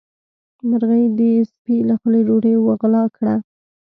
مرغۍ د سپي له خولې ډوډۍ وغلا کړه.